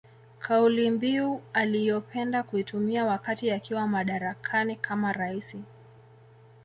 Kaulimbiu aliyopenda kuitumia wakati akiwa madarakani kama raisi